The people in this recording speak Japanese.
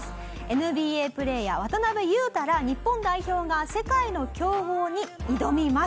ＮＢＡプレーヤー渡邊雄太ら日本代表が世界の強豪に挑みます。